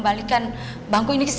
yuk kita pulangin aja yuk